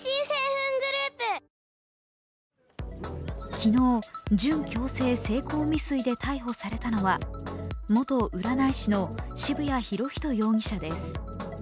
昨日、準強制性交未遂の疑いで逮捕されたのは元占い師の渋谷博仁容疑者です。